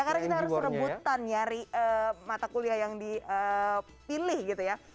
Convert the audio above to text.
karena kita harus rebutan nyari mata kuliah yang dipilih gitu ya